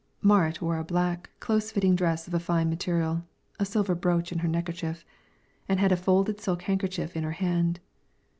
Marit wore a black, close fitting dress of a fine material, a silver brooch in her neckerchief and had a folded silk handkerchief in her hand.